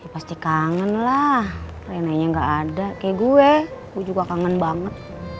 pasti kangen lah renanya enggak ada kayak gue gue juga kangen banget